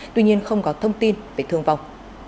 tuy nhiên không có thông tin về thương vọng